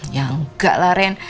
ya enggak lah ren